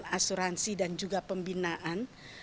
asuransi dan juga pembinaan